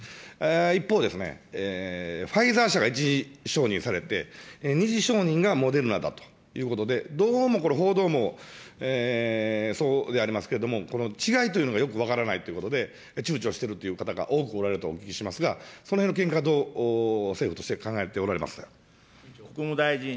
一方、ファイザー社が１次承認されて、２次承認がモデルナだということで、どうもこれ、報道もそうでありますけれども、違いというのがよく分からないということで、ちゅうちょしているという方が多くおられるとお聞きしますが、そのへんの見解、どう政府として考えておられますか。